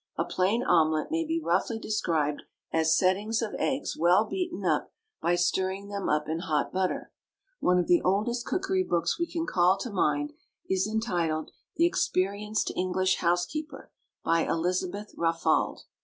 A plain omelet may be roughly described as settings of eggs well beaten up by stirring them up in hot butter. One of the oldest cookery books we can call to mind is entitled "The Experienced English Housekeeper," by Elizabeth Raffald.